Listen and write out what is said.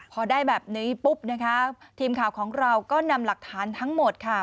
พอได้แบบนี้ปุ๊บนะคะทีมข่าวของเราก็นำหลักฐานทั้งหมดค่ะ